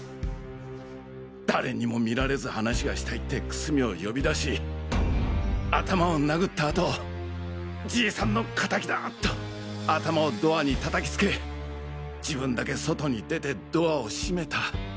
誰にも見られず話がしたいって楠見を呼び出し頭を殴った後じいさんの仇だ！と頭をドアに叩きつけ自分だけ外に出てドアを閉めた。